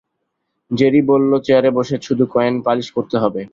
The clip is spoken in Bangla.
জেরি বলল চেয়ারে বসে শুধু কয়েন পালিশ করতে হবে।